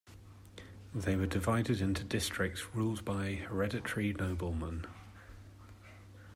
They were divided into districts ruled by hereditary noblemen.